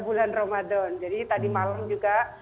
bulan ramadan jadi tadi malam juga